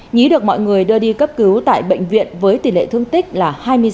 nhí được mọi người đưa đi cấp cứu tại bệnh viện với tỷ lệ thương tích là hai mươi sáu